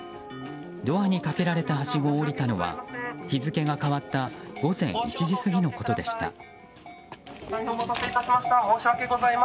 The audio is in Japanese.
ドアに架けられたはしごを下りたのは日付が変わった午前１時過ぎのことでした。